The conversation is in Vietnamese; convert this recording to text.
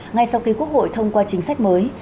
ngay sau khi quốc hội thông qua chính sách mới